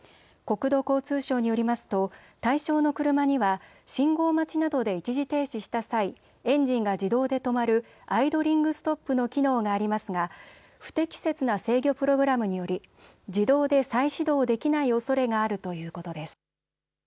国土交通省によりますと対象の車には信号待ちなどで一時停止した際、エンジンが自動で止まるアイドリングストップの機能がありますが不適切な制御プログラムにより自動で再始動できないおそれがあるということです。